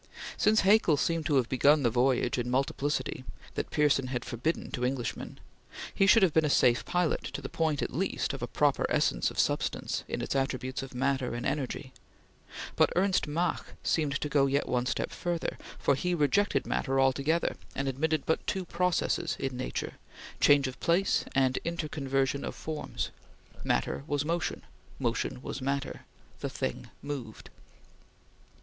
Since Haeckel seemed to have begun the voyage into multiplicity that Pearson had forbidden to Englishmen, he should have been a safe pilot to the point, at least, of a "proper essence of substance" in its attributes of matter and energy: but Ernst Mach seemed to go yet one step further, for he rejected matter altogether, and admitted but two processes in nature change of place and interconversion of forms. Matter was Motion Motion was Matter the thing moved.